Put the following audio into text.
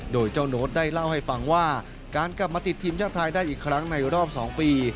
โดยเจ้าโน้ตได้เล่าให้ฟังว่าการกลับมาติดทีมชาติไทยได้อีกครั้งในรอบ๒ปี